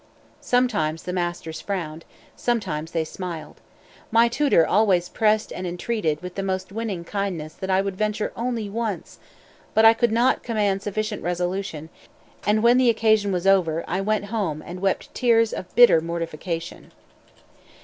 "Sometimes the masters frowned, sometimes they smiled. My tutor always pressed and entreated with the most winning kindness that I would venture only once; but I could not command sufficient resolution, and when the occasion was over I went home and wept tears of bitter mortification."